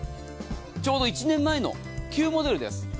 ちょうど１年前の旧モデルです。